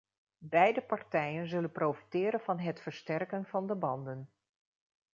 Beide partijen zullen profiteren van het versterken van de banden.